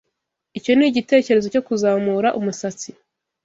Icyo ni igitekerezo cyo kuzamura umusatsi.